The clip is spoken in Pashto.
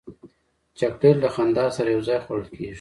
چاکلېټ له خندا سره یو ځای خوړل کېږي.